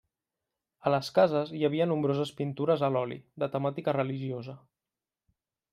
A les cases, hi havia nombroses pintures a l’oli, de temàtica religiosa.